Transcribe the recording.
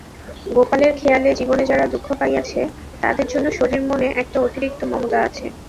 গোপালের খেয়ালে জীবনে যারা দুঃখ পাইয়াছে তাদের জন্য শশীর মনে একটা অতিরিক্ত মমতা আছে।